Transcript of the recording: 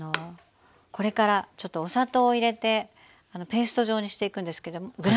これからちょっとお砂糖を入れてペースト状にしていくんですけどもグラニュー糖ですねこれね。